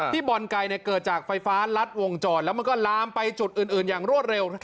บ่อนไก่เกิดจากไฟฟ้ารัดวงจรแล้วมันก็ลามไปจุดอื่นอย่างรวดเร็ว